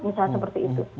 misalnya seperti itu